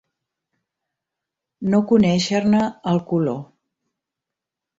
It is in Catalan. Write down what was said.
No conèixer-ne el color.